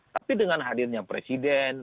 tapi dengan hadirnya presiden